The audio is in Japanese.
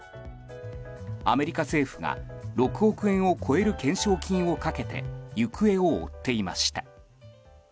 アメリカ政府が６億円を超える懸賞金をかけて行方を追っていました。